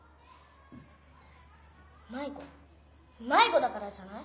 迷子迷子だからじゃない？